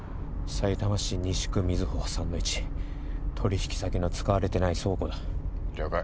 さいたま市西区瑞穂３−１取引先の使われてない倉庫だ了解